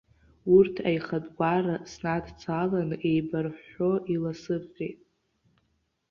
Урҭ аихатә гәара снадцаланы, еибарҳәҳәо иласывҟьеит.